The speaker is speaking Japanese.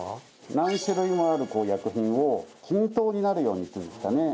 何種類もある薬品を均等になるようにっていうんですかね。